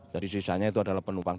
jadi sisanya itu adalah penumpang